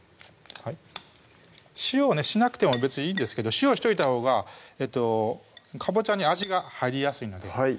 塩をねしなくても別にいいんですけど塩をしといたほうがかぼちゃに味が入りやすいのでは